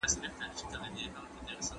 زه بايد قلم استعمالوم کړم